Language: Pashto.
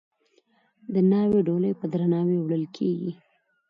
د ناوې ډولۍ په درناوي وړل کیږي.